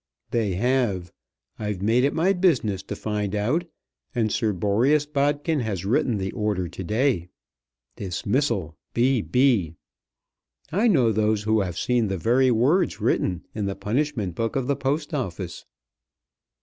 "They have. I've made it my business to find out, and Sir Boreas Bodkin has written the order to day. 'Dismissal B. B.' I know those who have seen the very words written in the punishment book of the Post Office."